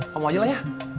kamu aja lah ya